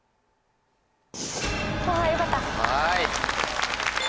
あよかった。